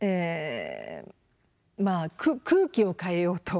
まあ空気を変えようと。